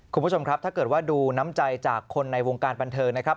คุณผู้ชมครับถ้าเกิดว่าดูน้ำใจจากคนในวงการบันเทิงนะครับ